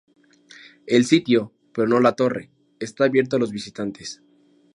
El sitio, pero no la torre, está abierto a los visitantes.